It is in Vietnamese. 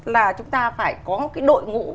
là chúng ta phải có cái đội ngũ